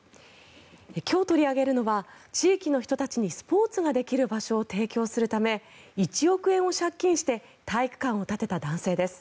今日取り上げるのは地域の人たちにスポーツができる場所を提供するため１億円を借金して体育館を建てた男性です。